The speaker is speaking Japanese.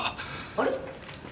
あれ？